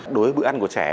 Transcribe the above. đối với bữa ăn của trẻ